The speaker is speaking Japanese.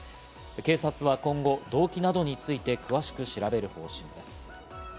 警察は今後、動機などについて詳しく調べる方針です。